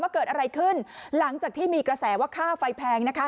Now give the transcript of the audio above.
เกิดอะไรขึ้นหลังจากที่มีกระแสว่าค่าไฟแพงนะคะ